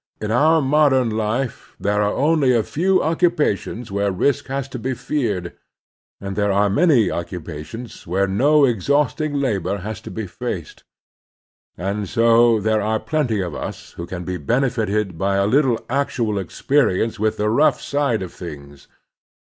In our modem life there are only a few occupations where risk has to be feared, and there are many occupations where no exhausting labor has to be faced ; and so there are plenty of us who can be benefited by a little actual experience with the rough side of .things.